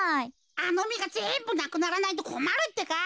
あのみがぜんぶなくならないとこまるってか。